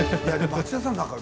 町田さん